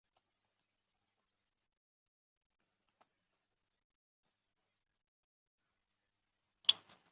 完颜亮使习拈的丈夫稍喝押护卫直宿。